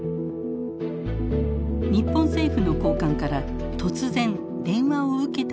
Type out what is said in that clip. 日本政府の高官から突然電話を受けたといいます。